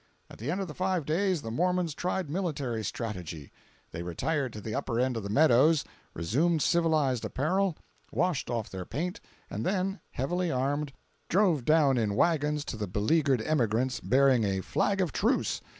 At the end of the five days the Mormons tried military strategy. They retired to the upper end of the "Meadows," resumed civilized apparel, washed off their paint, and then, heavily armed, drove down in wagons to the beleaguered emigrants, bearing a flag of truce!